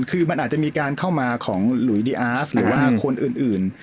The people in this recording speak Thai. คือมันอาจจะมีการเข้ามาของหลุยดีอาร์ตหรือว่าคนอื่น